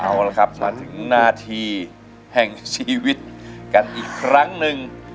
เอาละครับมาถึงหน้าที่แห่งชีวิตกันอีกครั้งหนึ่ง